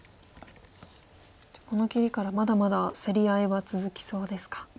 この切りからまだまだ競り合いは続きそうですか。